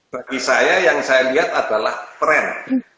bagi saya yang saya lihat adalah tren